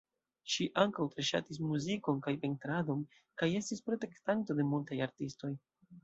Ŝi ankaŭ tre ŝatis muzikon kaj pentradon kaj estis protektanto de multaj artistoj.